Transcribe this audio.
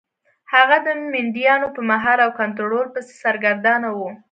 هغه د مینډیانو په مهار او کنټرول پسې سرګردانه و.